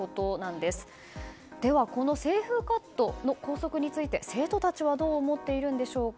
では清風カットの校則について生徒たちはどう思っているんでしょうか。